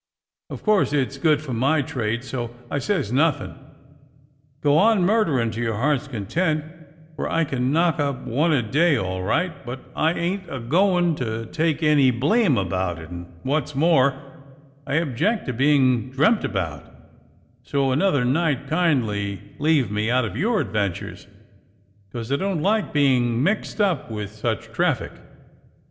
Of course it's good for my trade, so I says nothing. Go on murdering to your hearts' content, for I can knock up one a day all right, but I ain't a goin' to take any blame about it, and, wot's more, I object to being dreamt about; so another night kindly leave me out of your adventures, 'cos I don't like bein' mixed up with such traffic."